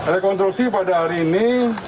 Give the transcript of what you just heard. rekonstruksi pada hari ini